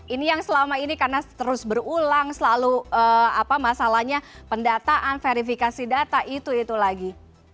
ini yang selama ini karena terus berulang selalu masalahnya pendataan verifikasi data itu itu lagi